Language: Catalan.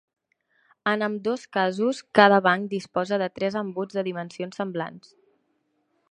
En ambdós casos cada banc disposa de tres embuts de dimensions semblants.